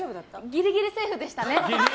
ギリギリセーフでしたね。